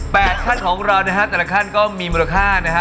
แปดขั้นของเรานะครับแต่ละขั้นก็มีมูลค่านะฮะ